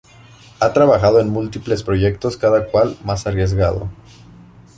Ha trabajado en múltiples proyectos cada cual más arriesgado.